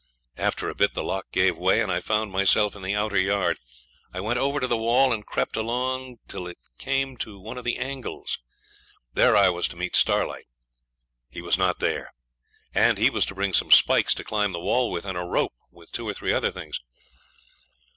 After a bit the lock gave way, and I found myself in the outer yard. I went over to the wall and crept along it till I came to one of the angles. There I was to meet Starlight. He was not there, and he was to bring some spikes to climb the wall with, and a rope, with two or three other things.